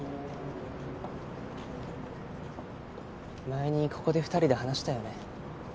前にここで二人で話したよね。